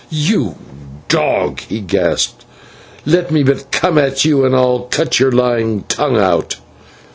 "You dog!" he gasped, "let me but come at you and I'll cut your lying tongue out."